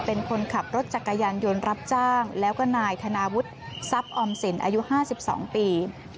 เป็นคนขับรถจักรยานยนต์รับจ้างแล้วก็นายธนาวุฒิทรัพย์ออมสินอายุ๕๒ปี